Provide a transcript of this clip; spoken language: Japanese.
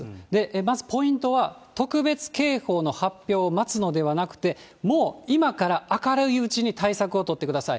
まずポイントは、特別警報の発表を待つのではなくて、もう、今から明るいうちに対策を取ってください。